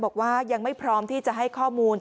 บอกว่ายังไม่พร้อมที่จะให้ข้อมูล